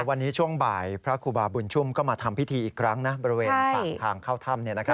วันนี้ช่วงบ่ายพระครูบาบุญชุมก็มาทำพิธีอีกครั้งนะบริเวณปากทางเข้าถ้ำ